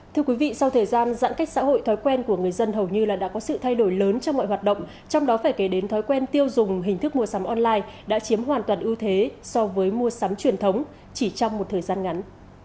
thưa quý vị sau thời gian giãn cách xã hội thói quen của người dân hầu như là đã có sự thay đổi lớn trong mọi hoạt động trong đó phải kể đến thói quen tiêu dùng hình thức mua sắm online đã chiếm hoàn toàn ưu thế so với mua sắm truyền thống chỉ trong một thời gian ngắn